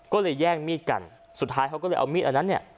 ก็เลยแย่งมีดกันสุดท้ายเขาก็เลยเอามีดอันนั้นเนี่ย